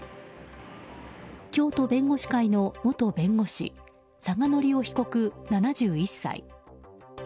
京都弁護士会の元弁護士嵯峨法夫被告、７１歳。